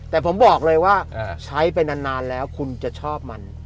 แต่ผมบอกเลยว่าใช้ไปนานแล้วคุณจะชอบมัน